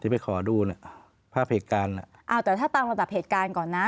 ไปขอดูน่ะภาพเหตุการณ์อ่ะอ้าวแต่ถ้าตามระดับเหตุการณ์ก่อนนะ